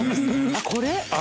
あっこれ？